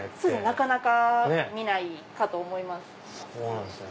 なかなか見ないかと思います。